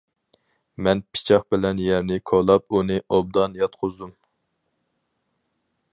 مەن پىچاق بىلەن يەرنى كولاپ ئۇنى ئوبدان ياتقۇزدۇم.